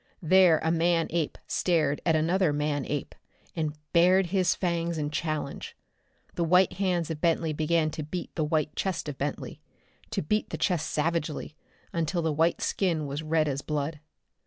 There a man ape stared at another man ape, and bared his fangs in challenge. The white hands of Bentley began to beat the white chest of Bentley to beat the chest savagely, until the white skin was red as blood....